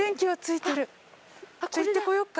行ってこようか。